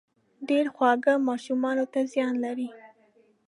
ډېر خواږه ماشومانو ته زيان لري